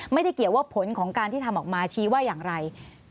ไม่ได้เกี่ยวว่าผลของการที่ทำออกมาชี้ว่าอย่างไร